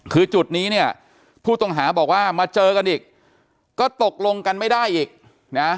คือจุดนี้เนี่ยผู้ต้องหาบอกว่ามาเจอกันอีกก็ตกลงกันไม่ได้อีกนะ